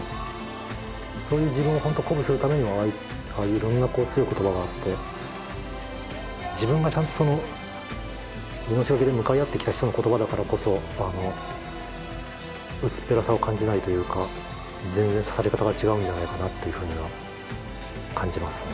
そういう自分をほんと鼓舞するためにもああいういろんな強い言葉があって自分がちゃんと命懸けで向かい合ってきた人の言葉だからこそ薄っぺらさを感じないというか全然刺さり方が違うんじゃないかなっていうふうには感じますね。